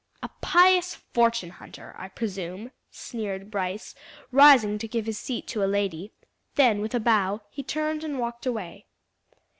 "A pious fortune hunter, I presume," sneered Brice, rising to give his seat to a lady; then with a bow he turned and walked away.